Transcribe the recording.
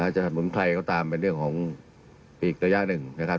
จะสมมุมใครเข้าตามเป็นเรื่องของอีกตัวอย่างหนึ่งนะครับ